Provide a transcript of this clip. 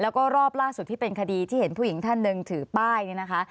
แล้วก็รอบล่าสุดที่เป็นคดีที่เห็นผู้หญิงท่านหนึ่งถือป้ายเนี่ยนะคะ